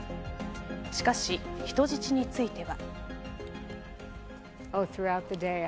しかし、人質については。